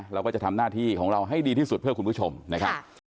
เราก็จะทำหน้าที่ของเราให้ดีที่สุดเพื่อคุณผู้ชมนะครับ